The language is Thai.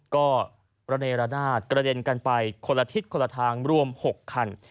ก็ระเนรนาศกระเด็นกันไปคนละทิศคนละทางรวม๖คัน